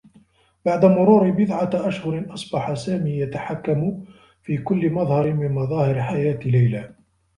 بعد مرور بضعة أشهر، أصبح سامي يتحكّم في كلّ مظهر من مظاهر حياة ليلى.